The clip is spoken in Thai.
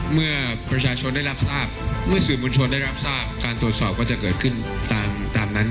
เมื่อสื่อมูลชนได้รับทราบการตรวจสอบก็จะเกิดขึ้นตามนั้น